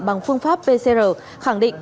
bằng phương pháp pcr khẳng định